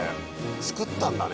作ったんだね。